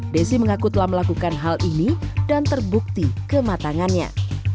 desi mengaku telah melakukan hal ini dan terbukti kematangannya